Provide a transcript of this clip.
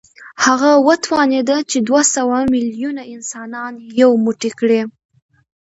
هغه وتوانېد چې دوه سوه ميليونه انسانان يو موټی کړي.